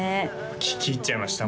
聞き入っちゃいました